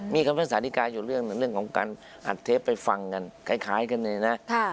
มีคำพิพักษาสานิกาวอยู่เรื่องของการอัดเทปไปฟังกันคล้ายกันเลยนะ